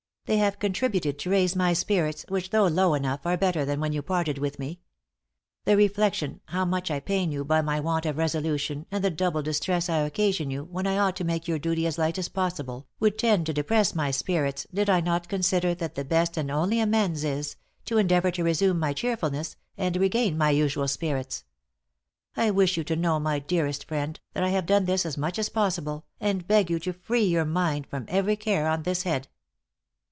They have contributed to raise my spirits, which, though low enough, are better than when you parted with me. The reflection how much I pain you by my want of resolution and the double distress I occasion you, when I ought to make your duty as light as possible, would tend to depress my spirits, did I not consider that the best and only amends is, to endeavor to resume my cheerfulness, and regain my usual spirits. I wish you to know, my dearest friend, that I have done this as much as possible, and beg you to free your mind from every care on this head."